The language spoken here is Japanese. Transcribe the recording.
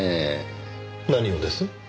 何をです？